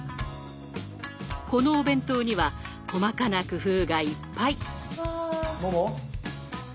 このお弁当には細かな工夫がいっぱい。